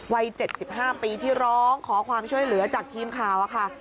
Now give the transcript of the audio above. วัย๗๕ปีที่ร้องขอความช่วยเหลือจากทีมข่าวค่ะ